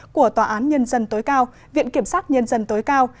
của tòa án nhân dân tối cao viện kiểm sát nhân dân tối cao